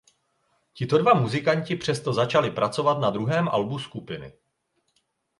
Tito dva muzikanti přesto začali pracovat na druhém albu skupiny.